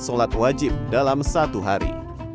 sholat wajib dalam satu hari